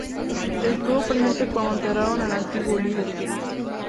Estuvo presente cuando enterraron al antiguo "Ulises".